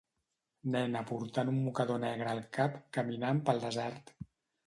Nena portant un mocador negre al cap caminant pel desert